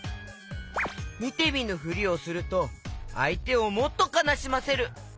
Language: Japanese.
みてみぬふりをするとあいてをもっとかなしませる。